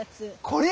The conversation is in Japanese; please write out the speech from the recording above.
これ。